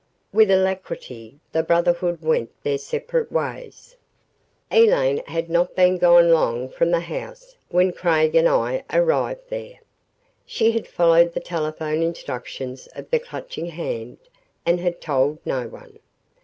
With alacrity the Brotherhood went their separate ways. ........ Elaine had not been gone long from the house when Craig and I arrived there. She had followed the telephone instructions of the Clutching Hand and had told no one.